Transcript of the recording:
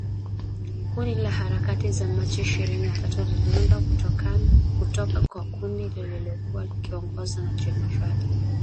Kundi la Harakati za Machi ishirini na tatu liliundwa kutoka kwa kundi lililokuwa likiongozwa na Generali Bosco Ntaganda, la Bunge la Kitaifa la Ulinzi wa Wananchi